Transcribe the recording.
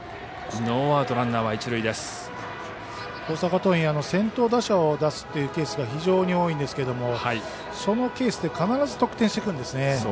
大阪桐蔭先頭打者を出すというケースが非常に多いんですけどもそのケースって必ず得点してくるんですね。